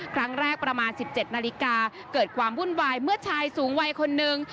ประมาณ๑๗นาฬิกาเกิดความวุ่นวายเมื่อชายสูงวัยคนนึง